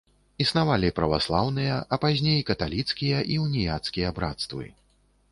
Існавалі праваслаўныя, а пазней каталіцкія і уніяцкія брацтвы.